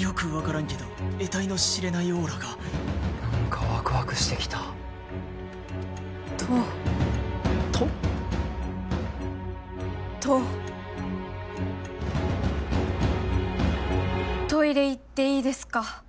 よく分からんけど得体の知れないオーラが何かワクワクしてきたとと？とトイレ行っていいですか？